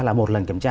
là một lần kiểm tra